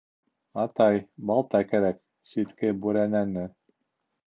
— Атай, балта кәрәк, ситке бүрәнәне...